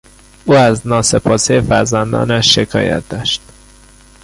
او از ناسپاسی فرزندانش شکایت داشت.